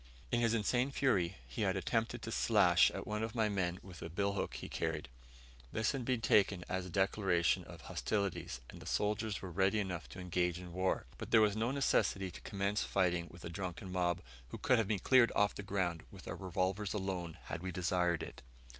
In his insane fury he had attempted to slash at one of my men with a billhook he carried. This had been taken as a declaration of hostilities, and the soldiers were ready enough to engage in war; but there was no necessity to commence fighting with a drunken mob, who could have been cleared off the ground with our revolvers alone had we desired it.